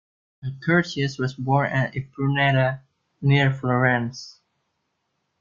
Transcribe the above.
Accursius was born at Impruneta, near Florence.